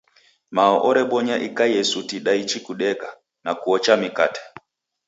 Mao orebonya ikaie suti daichi kudeka, na kuocha mikate.